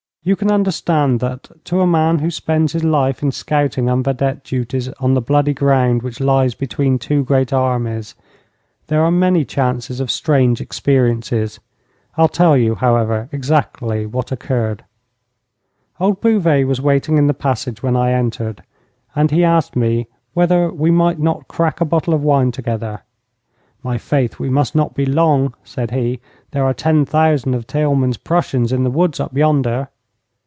You can understand that, to a man who spends his life in scouting and vedette duties on the bloody ground which lies between two great armies, there are many chances of strange experiences. I'll tell you, however, exactly what occurred. Old Bouvet was waiting in the passage when I entered, and he asked me whether we might not crack a bottle of wine together. 'My faith, we must not be long,' said he. 'There are ten thousand of Theilmann's Prussians in the woods up yonder.'